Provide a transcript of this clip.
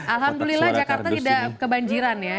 alhamdulillah jakarta tidak kebanjiran ya